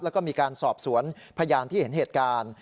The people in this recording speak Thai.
แล้วก็มีการสอบสวนพยานที่เห็นเหตุการณ์